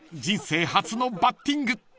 人生初のバッティング］